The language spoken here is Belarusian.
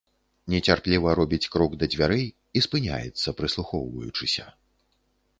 Нецярпліва робіць крок да дзвярэй і спыняецца, прыслухоўваючыся.